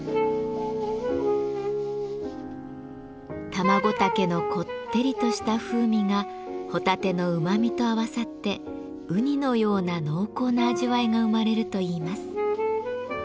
タマゴタケのこってりとした風味がホタテのうまみと合わさってウニのような濃厚な味わいが生まれるといいます。